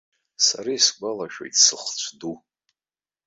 Сара исгәалашәоит сыхцә ду.